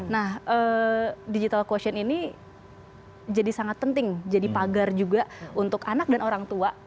nah digital question ini jadi sangat penting jadi pagar juga untuk anak dan orang tua